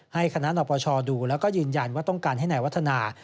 ให้คณะนปชดูแล้วก็ยืนยันว่าต้องการให้นายวัฒนา